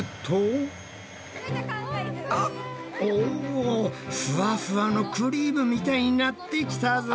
おフワフワのクリームみたいになってきたぞ。